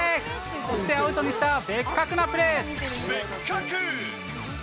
そして、アウトにしたベッカクなプレー。